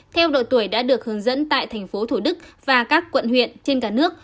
theo độ tuổi đã được hướng dẫn tại thành phố thủ đức và các quận huyện trên cả nước